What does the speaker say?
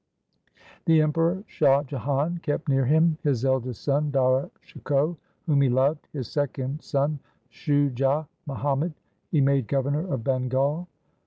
The Emperor Shah Jahan kept near him his eldest son Dara Shikoh whom he loved. His second son Shujah Muhammad he made Governor of Bengal.